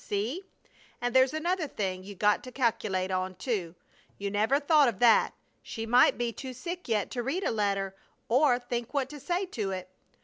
See? And there's another thing you got to calcl'ate on, too! You never thought of that! She might be too sick yet to read a letter, or think what to say to it!